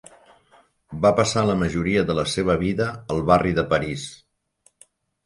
Va passar la majoria de la seva vida al barri de París.